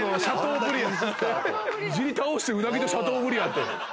いじり倒してうなぎとシャトーブリアンって。